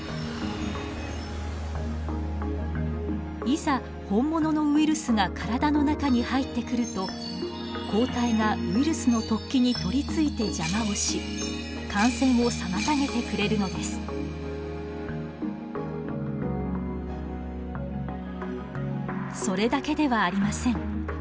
いざ本物のウイルスが体の中に入ってくると抗体がウイルスの突起に取りついて邪魔をしそれだけではありません。